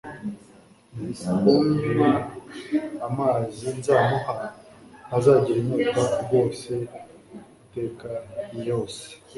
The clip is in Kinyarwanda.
"Unyva amazi nzamuha, ntazagira inyota rwose iteka iyose,